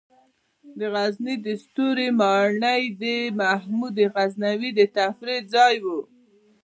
د غزني د ستوري ماڼۍ د محمود غزنوي د تفریح ځای و